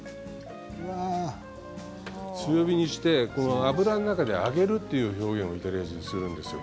中火にして油の中で揚げるという表現をイタリア人はするんですよ。